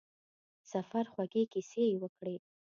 د سفر خوږې کیسې یې وکړې.